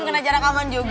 kena jarak aman juga